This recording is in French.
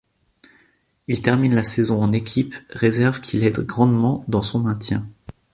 Il termine la saison en équipe réserve qu'il aide grandement dans son maintien.